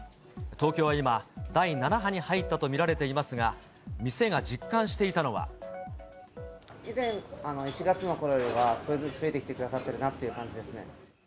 東京は今、第７波に入ったと見られていますが、店が実感していた以前、１月のころよりは、少しずつ増えてきてくださってるなという感じですね。